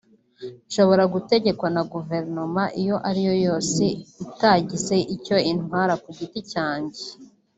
nshobora gutegekwa na Guverinoma iyo ariyo yose itagize icyo intwara ku giti cyanjye